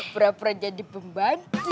pernah pernah jadi pembantu